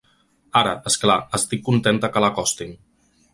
Ara, és clar, estic contenta que l’acostin.